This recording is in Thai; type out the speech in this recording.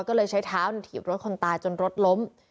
ก็เลยใช้เท้าถีบรถคนตายจนรถล้ม